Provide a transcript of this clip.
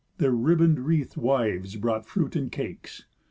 Their riband wreathed wives brought fruit and cakes.